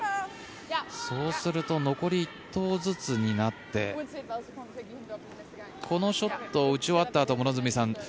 そうすると残り１投ずつになってこのショットを打ち終わったあと両角さん